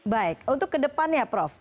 baik untuk ke depannya prof